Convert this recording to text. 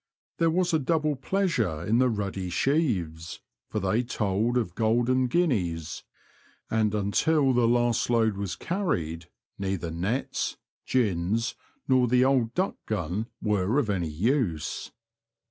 There was a double pleasure in the ruddy sheaves, for they told of golden guineas, and until the last load was carried neither nets, gins, nor the old duck gun were of any use.